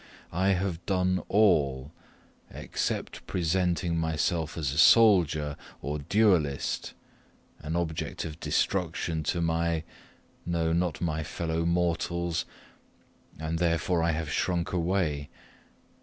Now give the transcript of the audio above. I have done all, except presenting myself as a soldier or duellist, an object of destruction to my no, not my fellow mortals, and therefore I have shrunk away.